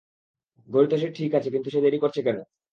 ঘড়ি তো ঠিক আছে, কিন্তু সে দেরি করছে কেন?